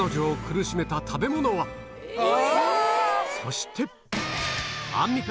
そして！